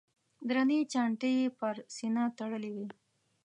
درنې چانټې یې پر سینه تړلې وې.